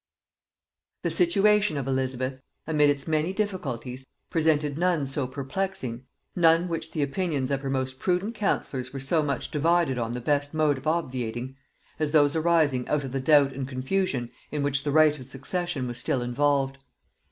The situation of Elizabeth, amid its many difficulties, presented none so perplexing, none which the opinions of her most prudent counsellors were so much divided on the best mode of obviating, as those arising out of the doubt and confusion in which the right of succession was still involved.